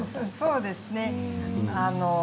そうですね。